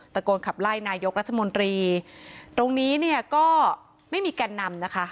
ตะโกนขับไล่นายกรัฐมนตรีตรงนี้เนี่ยก็ไม่มีแก่นนำนะคะ